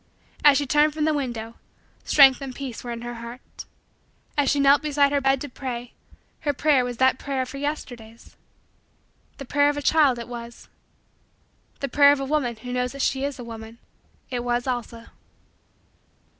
As she turned from the window, strength and peace were in her heart. As she knelt beside her bed to pray, her prayer was that prayer of her Yesterdays. The prayer of a child it was the prayer of a woman who knows that she is a woman it was also.